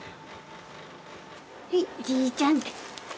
はいじいちゃんって。